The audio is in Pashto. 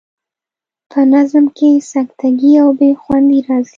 په نظم کې سکته ګي او بې خوندي راځي.